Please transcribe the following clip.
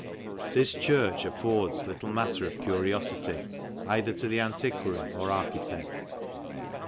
This churc affords little matter of curiofity either to the ami quary or architect.